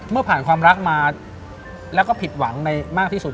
เมื่อผ่านความรักมาแล้วก็ผิดหวังในมากที่สุด